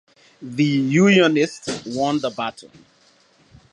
The unionists won the battle.